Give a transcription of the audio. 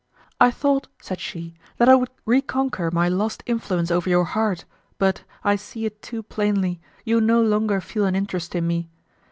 "I thought," said she, "that I would reconquer my lost influence over your heart, but, I see it too plainly, you no longer feel an interest in me.